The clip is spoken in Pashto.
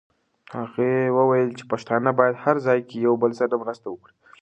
هغې وویل چې پښتانه باید هر ځای کې یو بل سره مرسته وکړي.